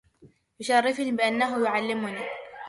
يا شرفي بأنه يعلمني